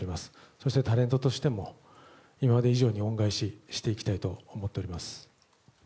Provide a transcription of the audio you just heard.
そしてタレントとしても今まで以上に恩返ししていきたいと思っております。